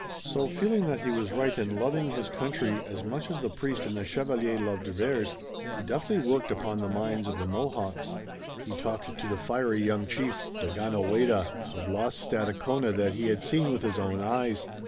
So, feeling that he was right and loving his own country as much as the priest and the chevalier loved theirs, he deftly worked upon the minds of the Mohawks. He talked to the fiery young chief, Daganoweda, of lost Stadacona that he had seen with his own eyes.